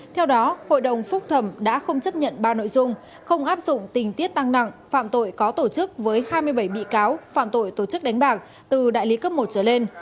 theo đó hội đồng phúc thẩm đã không chấp nhận ba nội dung không áp dụng tình tiết tăng nặng phạm tội có tổ chức với hai mươi bảy bị cáo phạm tội tổ chức đánh bạc từ đại lý cấp một trở lên